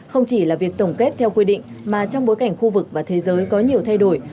không chỉ là việc tổng kết theo quy định mà trong bối cảnh khu vực và thế giới có nhiều thay đổi